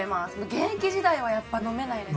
現役時代はやっぱ飲めないです